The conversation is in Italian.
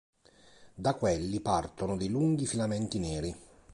Da quelli partono dei lunghi filamenti neri.